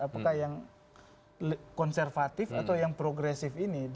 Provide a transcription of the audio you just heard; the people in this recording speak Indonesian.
apakah yang konservatif atau yang progresif ini